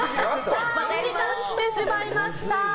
お時間来てしまいました。